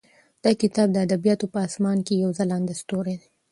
دا کتاب د ادبیاتو په اسمان کې یو ځلانده ستوری دی.